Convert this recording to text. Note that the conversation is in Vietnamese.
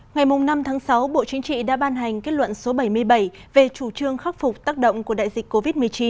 ngày năm tháng sáu bộ chính trị đã ban hành kết luận số bảy mươi bảy về chủ trương khắc phục tác động của đại dịch covid một mươi chín